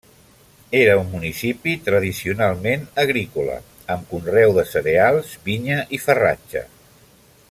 Era un municipi tradicionalment agrícola, amb conreu de cereals, vinya i farratge.